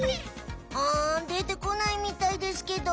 うんでてこないみたいですけど。